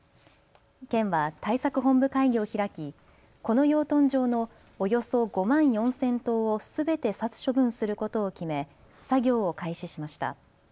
県は対策本部会議を開きこの養豚場のおよそ５万４０００頭をすべて殺処分することを決め作業を開始しました。